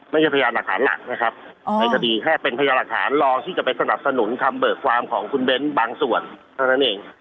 พยานหลักฐานหลักนะครับในคดีแค่เป็นพยานหลักฐานรองที่จะไปสนับสนุนคำเบิกความของคุณเบ้นบางส่วนเท่านั้นเอง